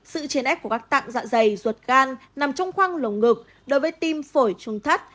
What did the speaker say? sự trên ép của các tặng dạ dày ruột gan nằm trong khoang lồng ngực đối với tim phổi trung thắt